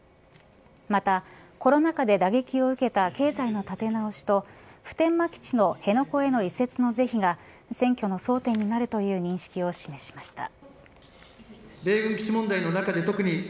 また、コロナ禍で打撃を受けた経済の立て直しと普天間基地の辺野古への移設の是非が選挙の争点になるという認識を示しました。